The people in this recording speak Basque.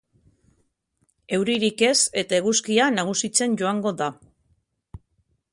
Euririk ez eta eguzkia nagusitzen joango da.